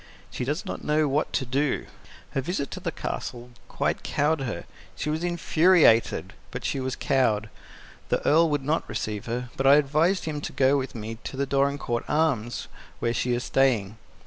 She does not know what to do. Her visit to the Castle quite cowed her. She was infuriated, but she was cowed. The Earl would not receive her, but I advised him to go with me to the Dorincourt Arms, where she is staying.